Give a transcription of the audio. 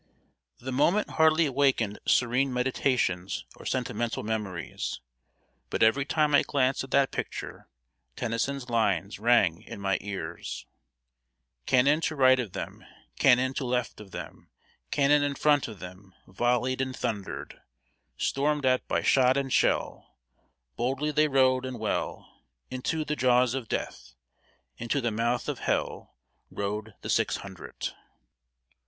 ] The moment hardly awakened serene meditations or sentimental memories; but every time I glanced at that picture, Tennyson's lines rang in my ears: "Cannon to right of them, Cannon to left of them, Cannon in front of them Volleyed and thundered; Stormed at by shot and shell, Boldly they rode and well, Into the jaws of death, Into the mouth of hell Rode the six hundred!"